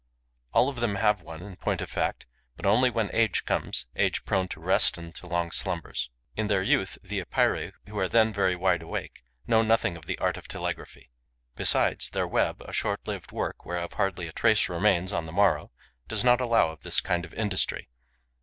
All of them have one, in point of fact, but only when age comes, age prone to rest and to long slumbers. In their youth, the Epeirae, who are then very wide awake, know nothing of the art of telegraphy. Besides, their web, a short lived work whereof hardly a trace remains on the morrow, does not allow of this kind of industry.